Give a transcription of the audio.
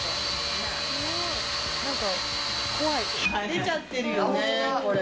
出ちゃってるよね、これ。